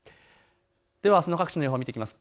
ではあすの各地の予報を見ていきます。